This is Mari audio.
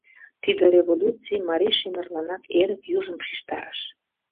Тиде революций марий шемерланат эрык южым шижтарыш.